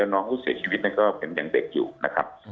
น้องผู้เสียชีวิตนั้นก็ยังเด็กอยู่นะครับ